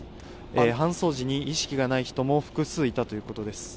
搬送時に意識がない人も複数いたということです。